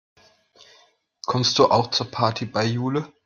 Kommst du auch zur Party bei Jule?